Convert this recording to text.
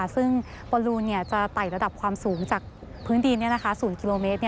ซึ่งบอลลูนจะไต่ระดับความสูงจากพื้นดิน๐กิโลเมตร